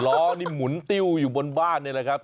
ล้อนี่หมุนติ้วอยู่บนบ้านนี่แหละครับ